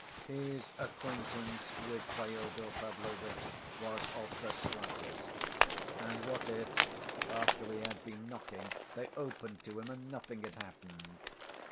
His acquaintance with Fyodor Pavlovitch was of the slightest, and what if, after he had been knocking, they opened to him, and nothing had happened?